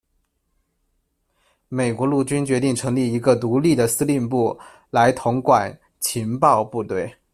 美国陆军决定成立一个独立的司令部来统管情报部队。